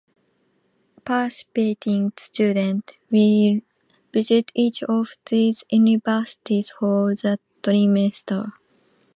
Participating students will visit each of these universities for one trimester.